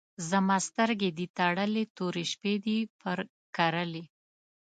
زما سترګې دي تړلي، تورې شپې دي پر کرلي